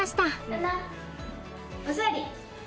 お座り！